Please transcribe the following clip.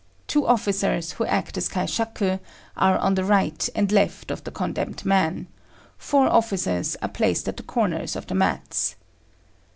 Two officers, who act as kaishaku, are on the right and left of the condemned man; four officers are placed at the corners of the mats.